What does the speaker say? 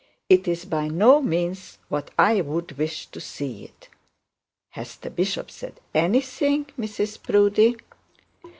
It is by no means what I would wish to see it.' 'Has the bishop said anything, Mrs Proudie?'